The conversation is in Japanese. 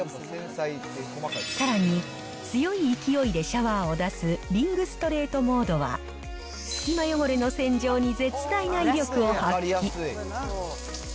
さらに、強い勢いでシャワーを出すリングストレートモードは、隙間汚れの洗浄に絶大な威力を発揮。